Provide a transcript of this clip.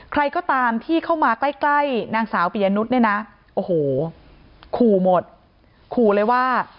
ใครก็ตามที่เข้ามาใกล้ใกล้นางสาวปียนุษย์เนี่ยนะโอ้โหขู่หมดขู่เลยว่า